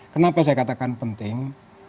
kenapa saya katakan penting